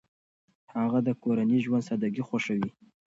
هغه د کورني ژوند سادګي خوښوي.